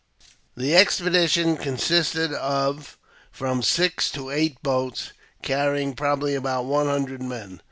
THE expedition consisted of from six to eight boats, carry ing probably about one hundred men.